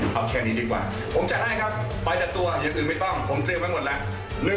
ผมจะให้ครับไปแต่ตัวอย่างอื่นไม่ต้องผมเตรียมให้หมดแล้ว